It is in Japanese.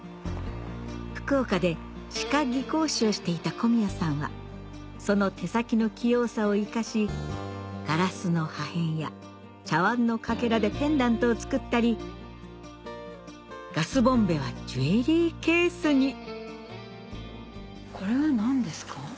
福岡で歯科技工士をしていた小宮さんはその手先の器用さを生かしガラスの破片や茶わんのかけらでペンダントを作ったりガスボンベはジュエリーケースにこれは何ですか？